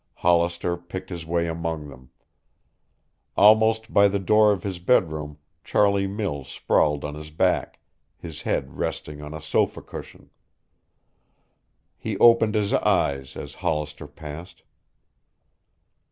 Hollister picked his way among them. Almost by the door of his bedroom Charlie Mills sprawled on his back, his head resting on a sofa cushion. He opened his eyes as Hollister passed.